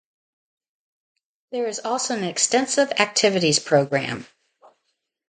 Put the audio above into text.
There is also an extensive activities programme.